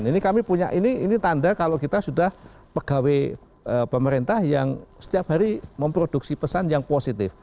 ini kami punya ini tanda kalau kita sudah pegawai pemerintah yang setiap hari memproduksi pesan yang positif